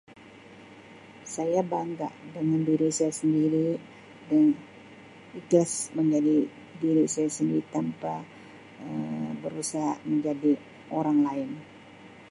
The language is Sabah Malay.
Saya bangga dengan diri saya sendiri [unintelligible] ikhlas menjadi diri saya sendiri tanpa Um berusaha menjadi orang lain.